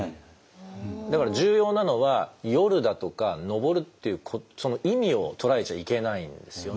だから重要なのは「夜」だとか「登る」っていうその意味を捉えちゃいけないんですよね。